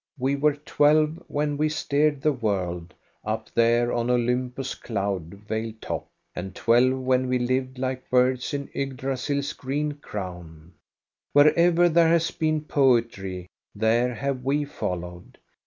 We were twelve when we steered the world, up there on Olympus's cloud veiled top, and twelve when we lived like birds in Ygdrasil's green crown. Wher ever there has been poetry there have we followed.